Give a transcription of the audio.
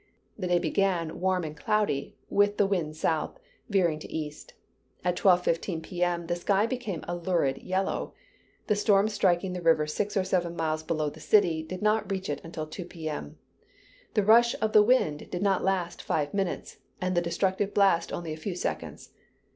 The day began warm and cloudy, with the wind south, veering to east. At 2:15 P.M., the sky became a lurid yellow; the storm striking the river six or seven miles below the city, did not reach it until 2 P.M. The rush of the wind did not last five minutes, and the destructive blast only a few seconds.